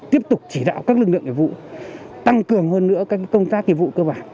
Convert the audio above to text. tiếp tục chỉ đạo các lực lượng nghiệp vụ tăng cường hơn nữa các công tác nghiệp vụ cơ bản